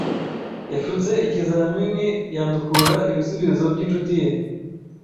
Yashutse ikizamini yandukura ibisubizo byinshuti ye.